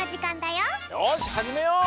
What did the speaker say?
よしはじめよう。